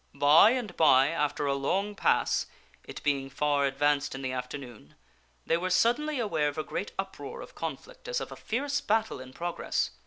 By and by, after a long pass it being far advanced in the afternoon they were suddenly aware of a great uproar of conflict, as of a fierce battle in progress.